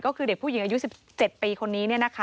ก็คือเด็กผู้หญิงอายุ๑๗ปีคนนี้